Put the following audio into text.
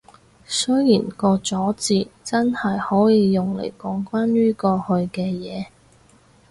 雖然個咗字真係可以用嚟講關於過去嘅嘢